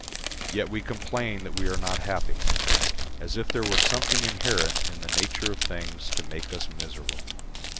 Yet we complain that we are not happy, as if there were something inherent in the nature of things to make us miserable.